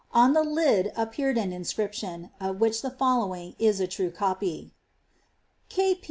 On the lid appeared an inscription, of which the fol!owiii| is a true copy :— K. P.